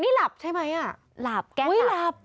นี่หลับใช่ไหมอะ